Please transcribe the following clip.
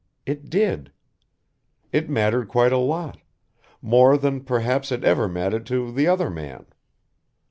It did. It mattered quite a lot, more than perhaps it ever mattered to the other man.